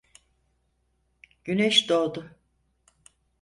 Güneş doğdu.